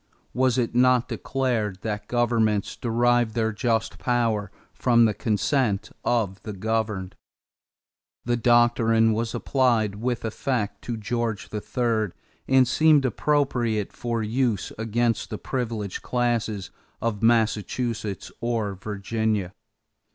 Was it not declared that governments derive their just power from the consent of the governed? That doctrine was applied with effect to George III and seemed appropriate for use against the privileged classes of Massachusetts or Virginia.